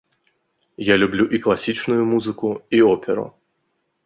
Я люблю і класічную музыку, і оперу.